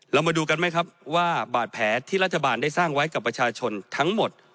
เรามาดูกันไหมครับว่าบาดแผลที่รัฐบาลได้สร้างไว้กับประชาชนทั้งหมด